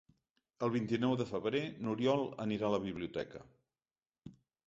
El vint-i-nou de febrer n'Oriol anirà a la biblioteca.